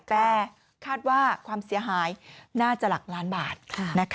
แต่คาดว่าความเสียหายน่าจะหลักล้านบาท